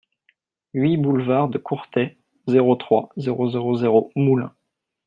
huit boulevard de Courtais, zéro trois, zéro zéro zéro Moulins